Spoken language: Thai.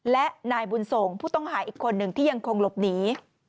และนายบุญส่งผู้ต้องหาอีกคนหนึ่งที่ยังคงหลบหนี